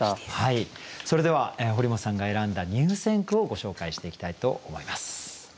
それでは堀本さんが選んだ入選句をご紹介していきたいと思います。